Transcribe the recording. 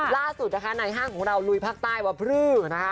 ล่าสุดนะคะนายห้างของเรารุยภาคใต้ว่าพรือ